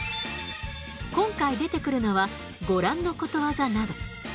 今回出てくるのはご覧のことわざなど。